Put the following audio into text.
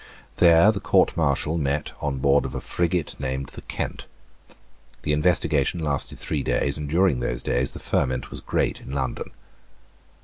There the Court Martial met on board of a frigate named the Kent. The investigation lasted three days; and during those days the ferment was great in London.